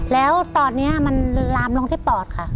แล้วตอนนี้มันลามลงที่ปอดค่ะ